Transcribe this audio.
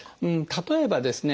例えばですね